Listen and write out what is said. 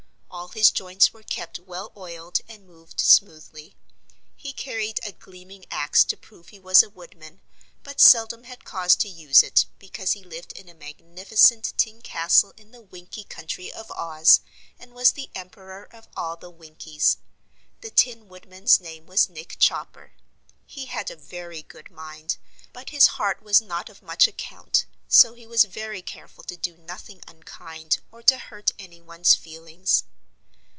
All his joints were kept well oiled and moved smoothly. He carried a gleaming axe to prove he was a woodman, but seldom had cause to use it because he lived in a magnificent tin castle in the Winkie Country of Oz and was the Emperor of all the Winkies. The Tin Woodman's name was Nick Chopper. He had a very good mind, but his heart was not of much account, so he was very careful to do nothing unkind or to hurt anyone's feelings.